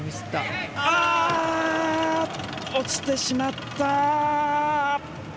落ちてしまった。